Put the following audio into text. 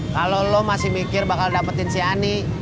kalau lo masih mikir bakal dapetin si ani